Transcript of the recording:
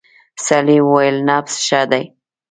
سړی وویل نبض ښه دی.